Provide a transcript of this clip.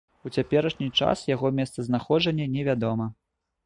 У цяперашні час яго месцазнаходжанне невядома.